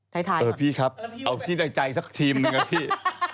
ท้ายก่อนนะครับพี่ครับเอาที่ในใจสักทีมนึงนะพี่